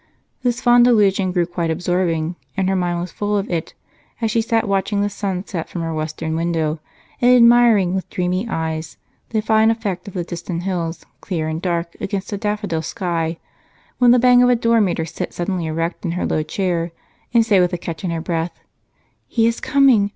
The fond delusion grew quite absorbing, and her mind was full of it as she sat watching the sun set from her western window and admiring with dreamy eyes the fine effect of the distant hills clear and dark against a daffodil sky when the bang of a door made her sit suddenly erect in her low chair and say with a catch in her breath: "He's coming!